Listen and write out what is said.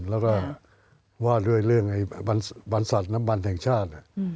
แล้วก็ว่าด้วยเรื่องบรรษัทน้ำมันแห่งชาติ